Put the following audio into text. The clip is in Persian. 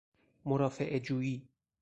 مرافعه جوئی